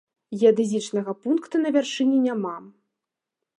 Геадэзічнага пункта на вяршыні няма.